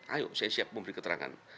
ayo saya siap memberi keterangan